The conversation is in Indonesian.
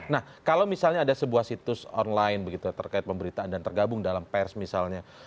nah kalau misalnya ada sebuah situs online begitu terkait pemberitaan dan tergabung dalam pers misalnya